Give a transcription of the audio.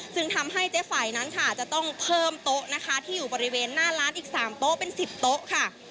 ซึ่งทำให้เจ๊ไฝนั้นค่ะจะต้องเพิ่มโต๊ะนะคะที่อยู่บริเวณหน้าร้านอีก๓โต๊ะเป็น๑๐โต๊ะค่ะ